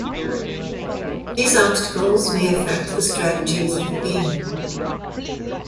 These obstacles may affect the strategies of the game.